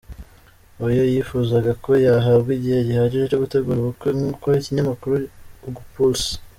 Oyo yifuzaga ko yahabwa igihe gihagije cyo gutegura ubukwe , nk’uko ikinyamakuru ugpulse.